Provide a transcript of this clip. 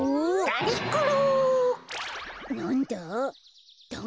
なんだ？